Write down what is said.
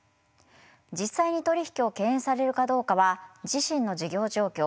実際に取り引きを敬遠されるかどうかは自身の事業状況